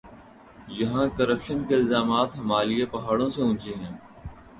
یہاں کرپشن کے الزامات ہمالیہ پہاڑوں سے اونچے ہیں۔